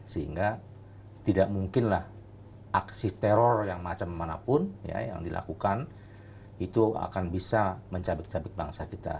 sehingga tidak mungkinlah aksi teror yang macam manapun yang dilakukan itu akan bisa mencabik cabik bangsa kita